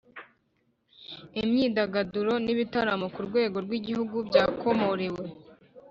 Imyidagaduro n’ ibitaramo ku rwego rw ‘Igihugu byakomorewe